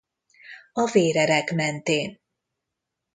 A vérerek mentén.